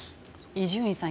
伊集院さん